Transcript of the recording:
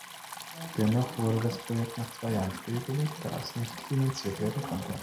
Dennoch wurde das Projekt nach zwei Jahren stillgelegt, da es nicht finanziert werden konnte.